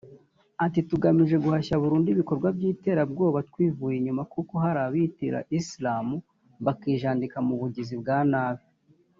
Ati “Tugamije guhashya burundu ibikorwa by’iterabwoba twivuye inyuma kuko hari abiyitirira Islam bakijandika mu bugizi bwa nabi